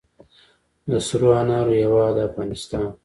د سرو انارو هیواد افغانستان.